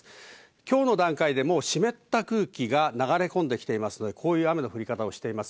きょうの段階でもう湿った空気が流れ込んできていますので、こういう雨の降り方をしています。